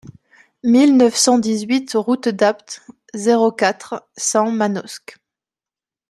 mille neuf cent dix-huit route d'Apt, zéro quatre, cent Manosque